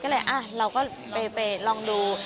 เราก็ไปรันดู